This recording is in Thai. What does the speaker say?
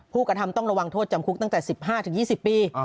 กระทำต้องระวังโทษจำคุกตั้งแต่๑๕๒๐ปี